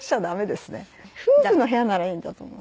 夫婦の部屋ならいいんだと思う。